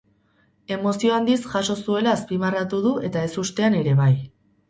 Emozio handiz jaso zuela azpimarratu du eta ezustean ere bai.